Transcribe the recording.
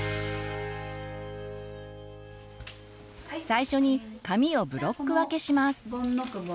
最初に髪をブロック分けします。